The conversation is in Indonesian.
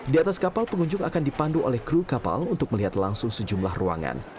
di atas kapal pengunjung akan dipandu oleh kru kapal untuk melihat langsung sejumlah ruangan